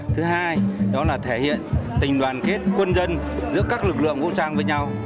thứ hai đó là thể hiện tình đoàn kết quân dân giữa các lực lượng vũ trang với nhau